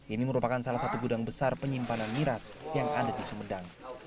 ini merupakan salah satu gudang besar penyimpanan miras yang ada di sumedang